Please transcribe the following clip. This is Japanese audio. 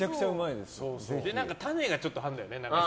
種がちょっとあるんだよね。